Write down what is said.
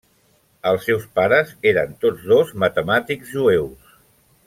Els seus pares eren tots dos matemàtics jueus.